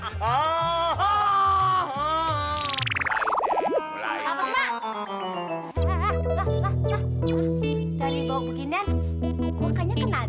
nah nah nah dari bawah beginian pokoknya kan ada